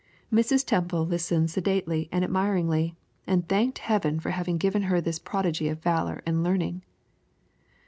Mrs. Temple listened sedately and admiringly, and thanked Heaven for having given her this prodigy of valor and learning.